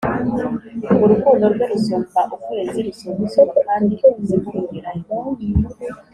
Urukundo rwe rusumba ukwezi rusumba izuba kandi ikuzimu rugerayo